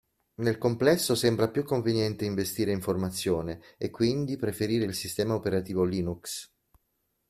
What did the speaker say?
Nel complesso sembra più conveniente investire in formazione, e quindi preferire il sistema operativo Linux.